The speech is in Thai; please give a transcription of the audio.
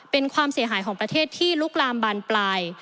เป็นความเสียหายของประเทศที่ลุกลามบานปลาย